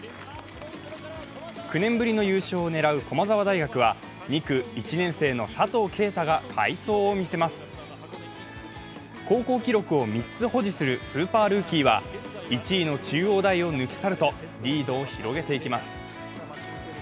９年ぶりの優勝を狙う駒沢大学は、２区、１年生の佐藤圭汰が快走を見せます高校記録を３つ保持するスーパールーキーは１位の中央大を抜き去ると、リードを広げていきます。